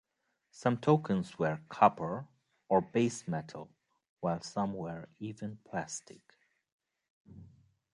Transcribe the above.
Some tokens were copper or base metal while some were even plastic.